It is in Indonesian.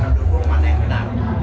tandukulman yang benar